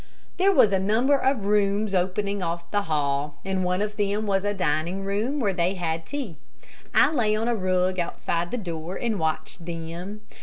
There was a number of rooms opening off the hall, and one of them was the dining room where they had tea. I lay on a rug outside the door and watched them.